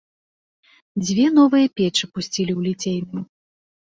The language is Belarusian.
Дзве новыя печы пусцілі ў ліцейным.